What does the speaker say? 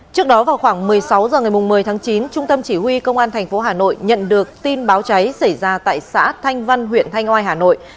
trước đó vào khoảng một mươi sáu h ngày một mươi tháng chín trung tâm chỉ huy công an tp hà nội nhận được tin báo cháy xảy ra tại xã thanh văn huyện thanh oai hà nội